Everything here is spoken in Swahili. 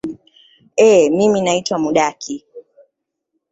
ee mimi naitwa mudaki